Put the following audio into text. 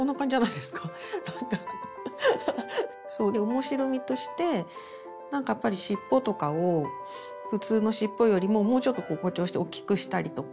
面白みとしてなんかやっぱりしっぽとかを普通のしっぽよりももうちょっと誇張しておっきくしたりとか。